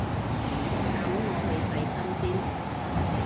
噉我去洗身先